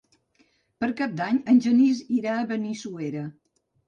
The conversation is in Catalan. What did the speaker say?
Per Cap d'Any en Genís irà a Benissuera.